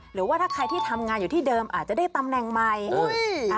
หรือว่าถ้าใครที่ทำงานอยู่ที่เดิมอาจจะได้ตำแหน่งใหม่